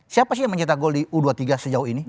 siapa sih yang mencetak gol di u dua puluh tiga sejauh ini